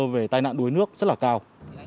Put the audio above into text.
về tai nạn đuối nước rất là cao